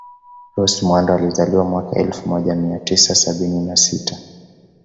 Rose Muhando alizaliwa mwaka elfu moja mia tisa sabini na sita